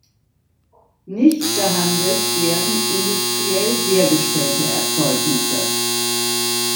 Nicht gehandelt werden industriell hergestellte Erzeugnisse.